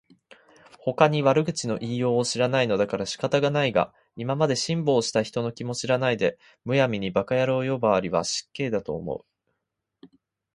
ほかに悪口の言いようを知らないのだから仕方がないが、今まで辛抱した人の気も知らないで、無闇に馬鹿野郎呼ばわりは失敬だと思う